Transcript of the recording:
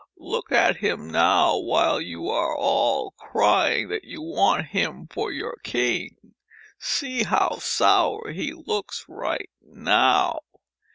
Look at him now while you are all crying that you want him for your king. See how sour he looks right now.